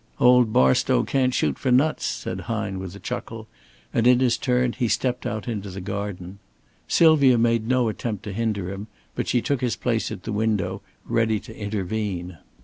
"Old Barstow can't shoot for nuts," said Hine, with a chuckle, and in his turn he stepped out into the garden. Sylvia made no attempt to hinder him, but she took his place at the window ready to intervene.